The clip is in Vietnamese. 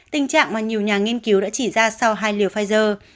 tình trạng mà nhiều nhà nghiên cứu đã chỉ ra sau hai liều pfizer